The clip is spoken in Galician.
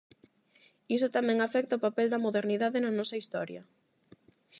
Iso tamén afecta ao papel da "modernidade" na nosa historia.